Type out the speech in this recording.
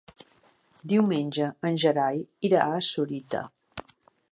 Diumenge en Gerai irà a Sorita.